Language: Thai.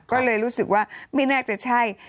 ก็เลยรู้สึกว่าไม่น่าจะใช่